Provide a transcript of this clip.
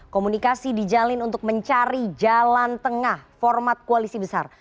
komunikasi dijalin untuk mencari jalan tengah format koalisi besar